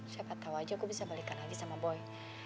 siapa tau aja gue bisa balikan lagi sama boy